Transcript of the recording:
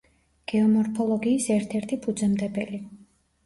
გეომორფოლოგიის ერთ-ერთი ფუძემდებელი.